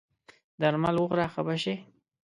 درمل وخوره ښه به سې!